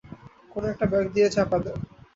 কোন একটা ব্যাগ দিয়ে চাপা দে।